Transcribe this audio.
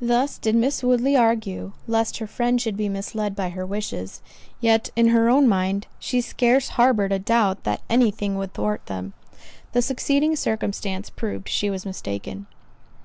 Thus did Miss Woodley argue, lest her friend should be misled by her wishes; yet, in her own mind, she scarce harboured a doubt that any thing would thwart them. The succeeding circumstance proved she was mistaken.